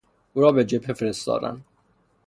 او را به جبهه فرستادند.